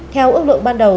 theo ước lượng ban đầu